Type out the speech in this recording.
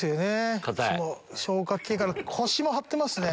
消化器系から腰も張ってますね。